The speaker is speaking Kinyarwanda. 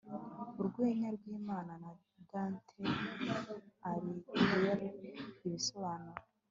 Urwenya rwImana ya Dante Alighieri ibisobanuro